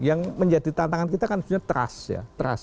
yang menjadi tantangan kita kan sebenarnya trust ya